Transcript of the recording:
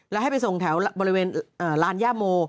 แล้วให้ไปส่งแถวบริเวณลานย่าโม